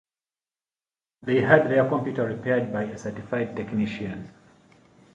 They had their computer repaired by a certified technician.